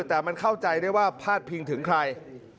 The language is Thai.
แต่มันเข้าใจได้ว่าพาดพิงถึงใคร